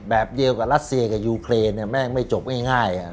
แบบเดียวกับรัสเซียกับยูเครนแม่งไม่จบง่าย